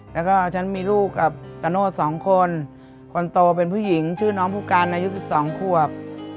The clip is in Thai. แล้วก็ฉันมีลูกกับกระโนธสองคนคนโตเป็นผู้หญิงชื่อน้องผู้การอายุสิบสองควบ